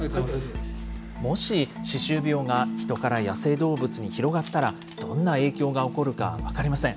もし歯周病が人から野生動物に広がったら、どんな影響が起こるか分かりません。